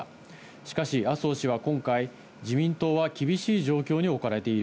しかし麻生氏は今回、自民党は厳しい状況に置かれている。